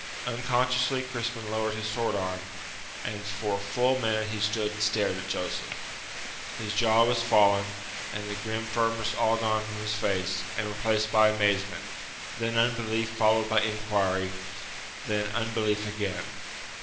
Unconsciously Crispin lowered his sword arm, and for a full minute he stood and stared at Joseph. His jaw was fallen and the grim firmness all gone from his face, and replaced by amazement, then unbelief followed by inquiry; then unbelief again.